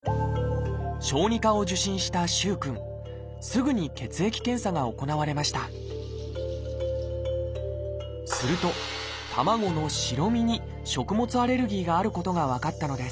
すぐに血液検査が行われましたすると卵の白身に食物アレルギーがあることが分かったのです。